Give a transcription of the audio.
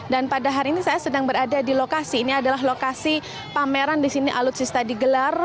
dan pada hari ini saya sedang berada di lokasi ini adalah lokasi pameran di sini alutsista digelar